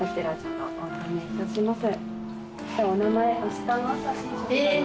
お納めいたします。